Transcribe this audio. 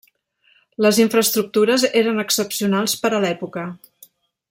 Les infraestructures eren excepcionals per a l'època.